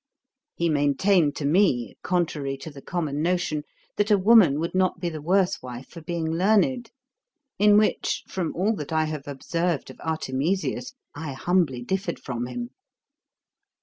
He maintained to me, contrary to the common notion, that a woman would not be the worse wife for being learned; in which, from all that I have observed of Artemisias, I humbly differed from him.